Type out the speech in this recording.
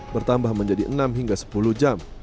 bertambah menjadi enam hingga sepuluh jam